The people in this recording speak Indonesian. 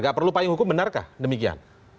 tidak perlu payung hukum benarkah demikian